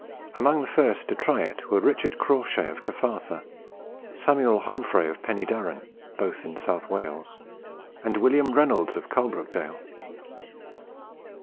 Among the first to try it were Richard Crawshay of Cyfartha, Samuel Homfray of Penydarran (both in South Wales), and William Reynolds of Coalbrookdale.